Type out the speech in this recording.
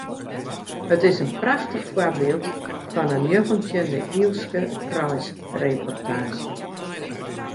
It is in prachtich foarbyld fan in njoggentjinde-iuwske reisreportaazje.